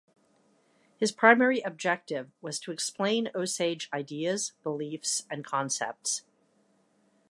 His primary objective was to explain Osage ideas, beliefs, and concepts.